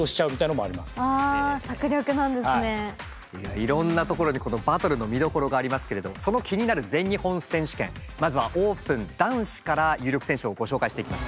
いろんなところにこのバトルの見どころがありますけれどその気になる全日本選手権まずはオープン男子から有力選手をご紹介していきます。